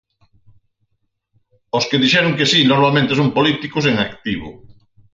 Os que dixeron que si, normalmente son políticos en activo.